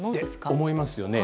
そう思いますよね。